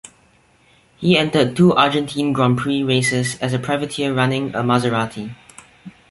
He entered two Argentine Grand Prix races as a privateer running a Maserati.